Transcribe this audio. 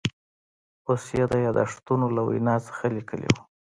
اوس یې د یاداشتونو له وینا څخه لیکلي و.